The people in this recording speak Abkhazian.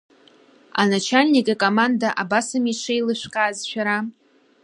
Аначальник икоманда абас ами ишеилышәкааз шәара…